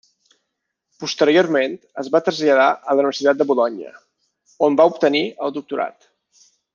Posteriorment, es va traslladar a la Universitat de Bolonya, on va obtenir el doctorat.